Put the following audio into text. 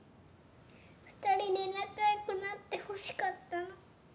２人に仲良くなってほしかったの。